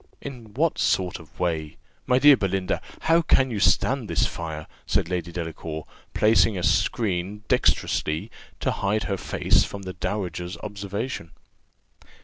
"In what sort of way? My dear Belinda, how can you stand this fire?" said Lady Delacour, placing a skreen, dexterously, to hide her face from the dowager's observation.